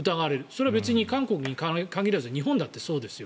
それは別に韓国に限らず日本だってそうです。